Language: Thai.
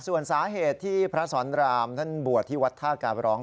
ส่วนสาเหตุที่พระสอนรามท่านบวชที่วัดท่ากาบร้อง